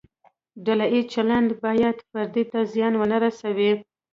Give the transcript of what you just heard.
ډله ییز چلند باید فرد ته زیان ونه رسوي.